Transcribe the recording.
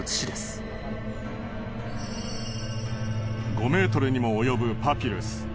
５ｍにも及ぶパピルス。